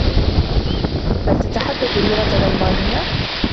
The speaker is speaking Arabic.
هل تتحدث اللغة الألمانية؟